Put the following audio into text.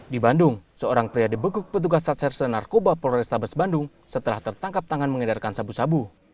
di bandung seorang pria dibekuk petugas satserse narkoba polrestabes bandung setelah tertangkap tangan mengedarkan sabu sabu